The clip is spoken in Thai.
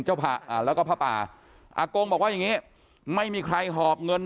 เจ้าภะแล้วก็พระป่าอากงบอกว่ายังงี้ไม่มีใครหอบเงิน